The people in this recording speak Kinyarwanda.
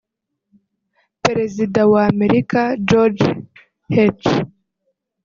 perezida wa Amerika George H